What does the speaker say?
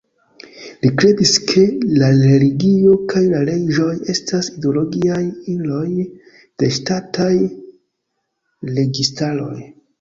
Li kredis ke la religio kaj la leĝoj estas ideologiaj iloj de ŝtataj registaroj.